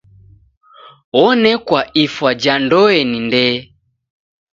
Onekwa ifwa ja ndoe ni ndee.